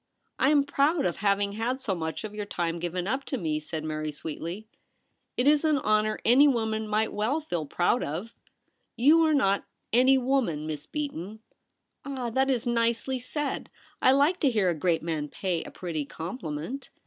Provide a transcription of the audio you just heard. ' I am proud of having had so much of your time given up to me,' said Mary sweetly. THE BOTHWELL PART. 293 ' It Is an honour any woman might well feel proud of.' 'You are not " any woman," Miss Beaton.' * Ah ! that is nicely said. I like to hear a great man pay a pretty compliment.'